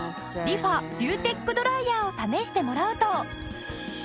リファビューテックドライヤーを試してもらうと。